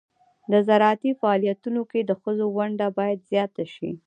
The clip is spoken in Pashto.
د زراعتي فعالیتونو کې د ښځو ونډه باید زیاته شي.